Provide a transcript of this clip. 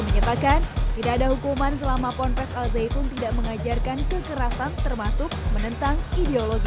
menyatakan tidak ada hukuman selama ponpes al zaitun tidak mengajarkan kekerasan termasuk menentang ideologi